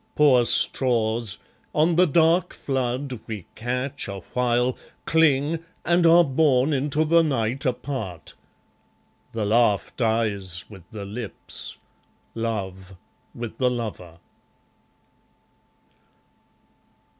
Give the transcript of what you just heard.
Poor straws! on the dark flood we catch awhile, Cling, and are borne into the night apart. The laugh dies with the lips, 'Love' with the lover.